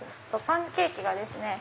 パンケーキがですね